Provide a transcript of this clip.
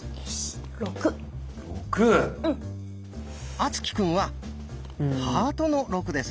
敦貴くんは「ハートの６」です。